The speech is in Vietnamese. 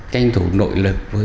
tranh thủ nội lực